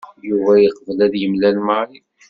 Yuba yeqbel ad yemlal Mary.